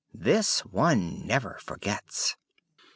"This one never forgets!"